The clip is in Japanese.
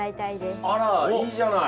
あらいいじゃない。